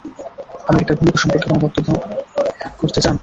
আমেরিকার ভূমিকা সম্পর্কে কোনো মন্তব্য করতে চান?